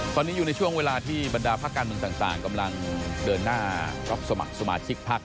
ตอนนี้อยู่ในช่วงเวลาที่บรรดาภาคการเมืองต่างกำลังเดินหน้ารับสมัครสมาชิกพัก